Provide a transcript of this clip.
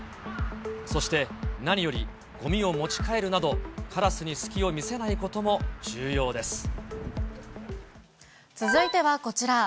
そして、何よりごみを持ち帰るなど、カラスに隙を見せないことも重要続いてはこちら。